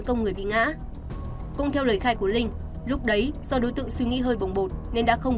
công người bị ngã cũng theo lời khai của linh lúc đấy do đối tượng suy nghĩ hơi bồng bột nên đã không